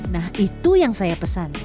nah itu yang saya pesan